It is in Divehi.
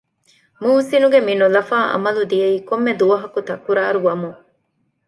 މުހްސިނުގެ މިނުލަފާ އަމަލު ދިޔައީ ކޮންމެ ދުވަހަކު ތަކުރާރު ވަމުން